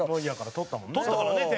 取ったからね、点。